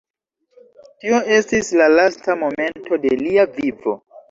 Tio estis la lasta momento de lia vivo.